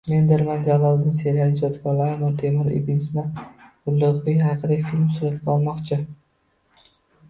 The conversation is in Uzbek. «Mendirman Jaloliddin» seriali ijodkorlari Amir Temur, Ibn Sino, Ulug‘bek haqida film suratga olmoqchi